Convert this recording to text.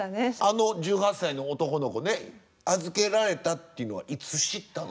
あの１８歳の男の子ね預けられたっていうのはいつ知ったのかとか。